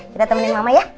kita temenin mama ya